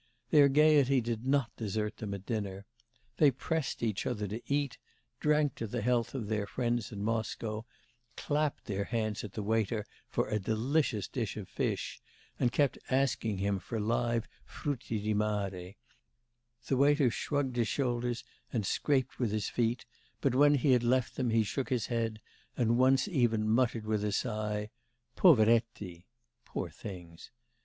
Their gaiety did not desert them at dinner. They pressed each other to eat, drank to the health of their friends in Moscow, clapped their hands at the waiter for a delicious dish of fish, and kept asking him for live frutti di mare; the waiter shrugged his shoulders and scraped with his feet, but when he had left them, he shook his head and once even muttered with a sigh, poveretti! (poor things!)